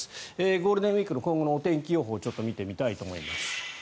ゴールデンウィークの今後の天気予報を見てみたいと思います。